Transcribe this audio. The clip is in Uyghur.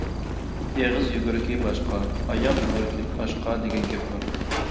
«ئېغىز يۈگۈرۈكى باشقا، ئاياغ يۈگۈرۈكى ئاشقا» دېگەن گەپ بار.